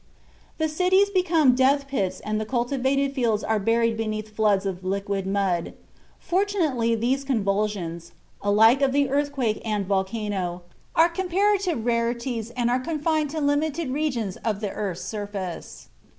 The cities become death pits and the cultivated fields are buried beneath floods of liquid mud. Fortunately these convulsions, alike of the earthquake and volcano, are comparative rarities and are confined to limited regions of the earth's surface.